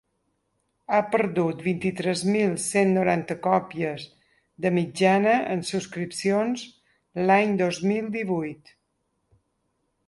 Ha perdut vint-i-tres mil cent noranta còpies de mitjana en subscripcions l’any dos mil divuit.